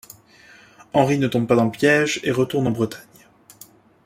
Henri ne tombe pas dans le piège et retourne en Bretagne.